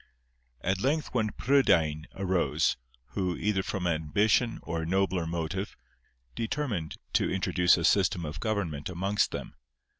At length one Prydain arose, who, either from ambition or a nobler motive, determined to introduce a system of government amongst them.